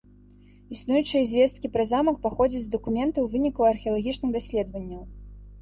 Існуючыя звесткі пра замак паходзяць з дакументаў і вынікаў археалагічных даследаванняў.